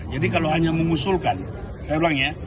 jadi kalau hanya mengusulkan saya bilang ya